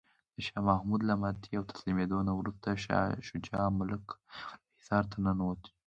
د شاه محمود له ماتې او تسلیمیدو نه وروسته شجاع الملک بالاحصار ته ننوت.